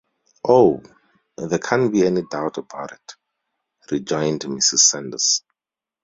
‘Oh, there can’t be any doubt about it,’ rejoined Mrs. Sanders.